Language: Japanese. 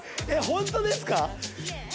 本当ですか？